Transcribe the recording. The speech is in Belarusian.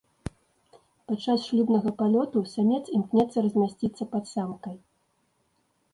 Падчас шлюбнага палёту самец імкнецца размясціцца пад самкай.